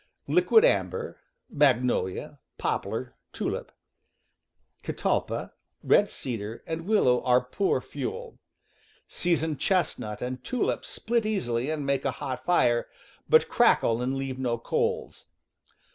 Liquidambar, magnolia, pop „, lar (tulip), catalpa, red cedar, and ,,. willow are poor fuel. Seasoned chest nut and tulip split easily and make a hot fire, but crackle and leave no coals.